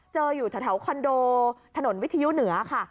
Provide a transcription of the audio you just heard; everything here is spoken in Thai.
อยู่แถวคอนโดถนนวิทยุเหนือค่ะ